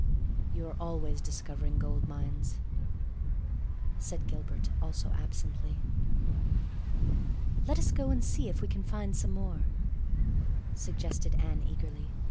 "You are always discovering gold mines," said Gilbert—also absently. "Let us go and see if we can find some more," suggested Anne eagerly.